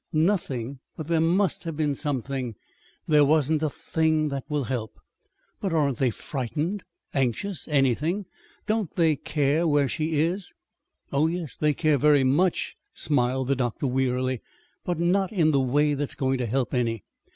"Nothing! But there must have been something!" "There wasn't a thing that will help." "But, aren't they frightened anxious anything? Don't they care where she is?" "Oh, yes; they care very much," smiled the doctor wearily; "but not in the way that is going to help any.